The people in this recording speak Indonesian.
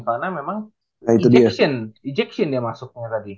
karena memang ejection dia masuknya tadi